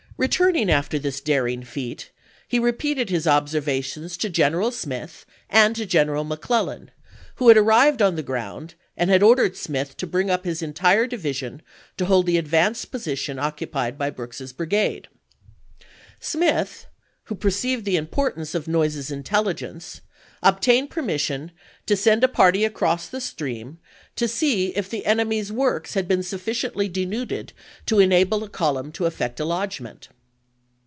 Returning after this daring feat, he repeated his observations to General Smith and to General Mc Clellan, who had arrived on the ground and had "The'pen ordcrcd Smith to bring up his entire division to "pV' hold the advanced position occupied by Brooks's brigade. Smith, who perceived the importance of Noyes's intelligence, obtained permission to send a I>arty across the stream to see if the enemy's works — "*%0 ;*>; iK '^ J ^./# '^"r^ CTJnr^rcrr^^^j \ YOKKTOWN 369 had been sufficiently denuded to enable a column chap. xx. to effect a lodgment.